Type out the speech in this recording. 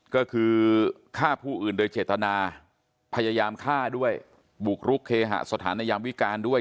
ก็คือฆ่าผู้อื่นโดยเจตนาพยายามฆ่าด้วยบุกรุกเคหสถานในยามวิการด้วย